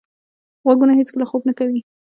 غوږونه هیڅکله خوب نه کوي.